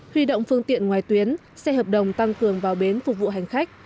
huy động phương tiện ngoài tuyến xe hợp đồng tăng cường vào bến phục vụ hành khách